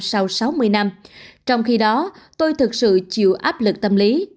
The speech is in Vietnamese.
sau sáu mươi năm trong khi đó tôi thực sự chịu áp lực tâm lý